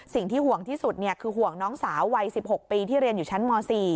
สิ่งที่ห่วงที่สุดคือห่วงน้องสาววัย๑๖ปีที่เรียนอยู่ชั้นม๔